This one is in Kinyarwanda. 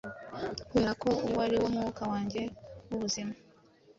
Kuberako uwo ariwo mwuka wanjye wubuzima.